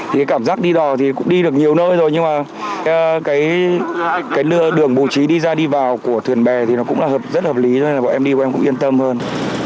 thì cảm giác đi đò thì cũng đi được nhiều nơi rồi nhưng mà cái đường bố trí đi ra đi vào của thuyền bè thì nó cũng là rất hợp lý cho nên là bọn em đi bọn em cũng yên tâm hơn